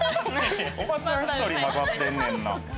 おばちゃん１人交ざってんねんな。